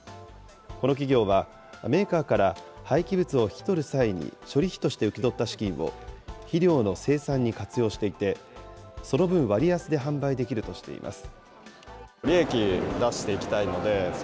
この企業は、メーカーから廃棄物を引き取る際に処理費として受け取った資金を、肥料の生産に活用していて、その分、割安で販売できるとしています。